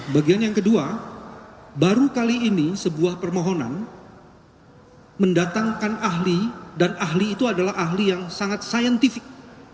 bagian yang kedua baru kali ini sebuah permohonan mendatangkan ahli dan ahli itu adalah ahli yang sangat saintifik